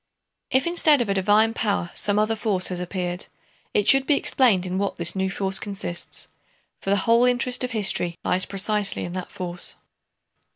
If instead of a divine power some other force has appeared, it should be explained in what this new force consists, for the whole interest of history lies precisely in that force.